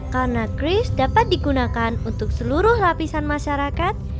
karena cruise dapat digunakan untuk seluruh lapisan masyarakat